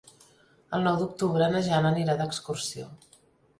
El nou d'octubre na Jana anirà d'excursió.